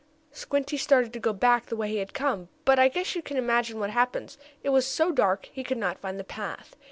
Squinty started to go back the way he had come, but I guess you can imagine what happened. It was so dark he could not find the path.